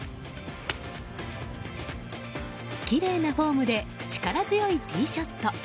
きれいなフォームで力強いティーショット。